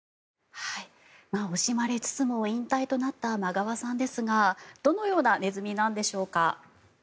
惜しまれつつも引退となったマガワさんですがどのようなネズミなんでしょうか。